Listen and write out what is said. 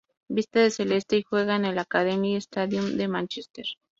Viste de celeste, y juega en el Academy Stadium de Manchester.